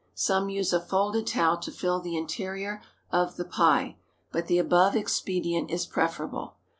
Some use a folded towel to fill the interior of the pie, but the above expedient is preferable.